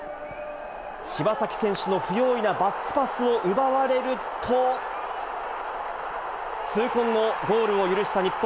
柴崎選手の不用意なバックパスを奪われると、痛恨のゴールを許した日本。